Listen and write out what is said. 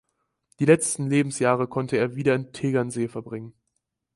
Die letzten Lebensjahre konnte er wieder in Tegernsee verbringen.